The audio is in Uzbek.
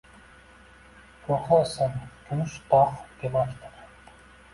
Ko‘hi ism – “kumush tog‘” demakdir.